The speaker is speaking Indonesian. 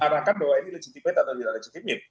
anda mengatakan bahwa ini legitimate atau tidak legitimate